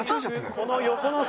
この横の姿。